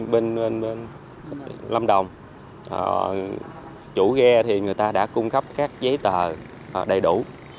bên lâm đồng chủ ghe thì người ta đã cung cấp các giấy tờ đầy đủ